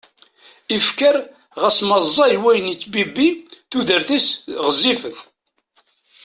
Ifker, ɣas ma ẓẓay wayen yettbibbi, tudert-is ɣezzifet.